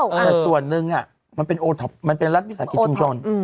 แต่ส่วนหนึ่งมันเป็นโอท็อปมันเป็นรัฐวิสาหกิจชุมชน